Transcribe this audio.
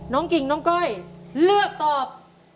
กิ่งน้องก้อยเลือกตอบ